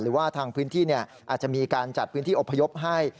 หรือว่าทางพื้นที่อาจจะมีการจัดพื้นที่อพยพให้